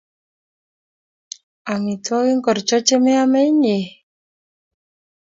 Amitwogik ngorcho che meame inye?